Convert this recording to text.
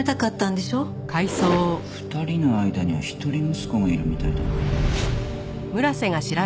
２人の間には一人息子がいるみたいだな。